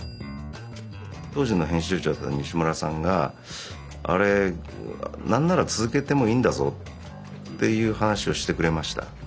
当時の編集長だった西村さんが「あれ何なら続けてもいいんだぞ」っていう話をしてくれました。